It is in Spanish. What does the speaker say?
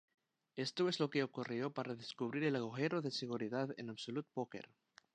Esto es lo que ocurrió para descubrir el agujero de seguridad en Absolute Poker.